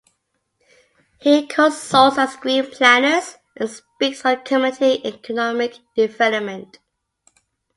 He consults as Greenplanners and speaks on community economic development.